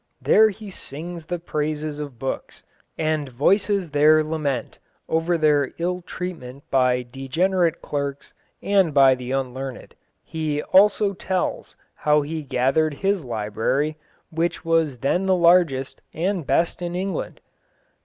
He there sings the praises of books, and voices their lament over their ill treatment by degenerate clerks and by the unlearned. He also tells how he gathered his library, which was then the largest and best in England.